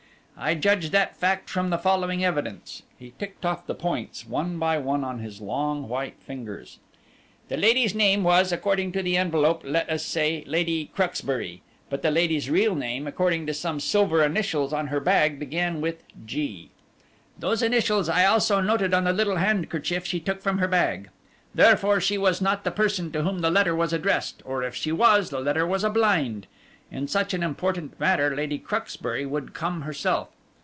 "I judged that fact from the following evidence." He ticked off the points one by one on his long white fingers. "The lady's name was, according to the envelope, let us say, Lady Cruxbury; but the lady's real name, according to some silver initials on her bag, began with 'G.' Those initials I also noted on the little handkerchief she took from her bag. Therefore she was not the person to whom the letter was addressed, or if she was, the letter was a blind. In such an important matter Lady Cruxbury would come herself.